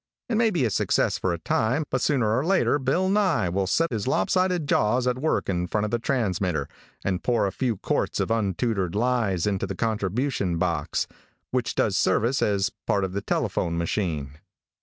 It may be a success for a time, but sooner or later Bill Nye will set his lopsided jaws at work in front of the transmitter, and pour a few quarts of untutored lies into the contribution box, which does service as a part of the telephone machine.